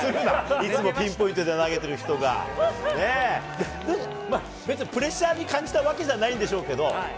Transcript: いつもピンポイントで投げている人が別にプレッシャーに感じたわけじゃないと思いますけど。